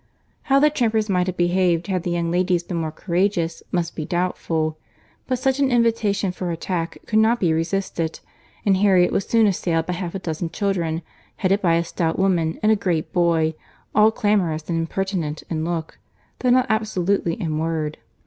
How the trampers might have behaved, had the young ladies been more courageous, must be doubtful; but such an invitation for attack could not be resisted; and Harriet was soon assailed by half a dozen children, headed by a stout woman and a great boy, all clamorous, and impertinent in look, though not absolutely in word.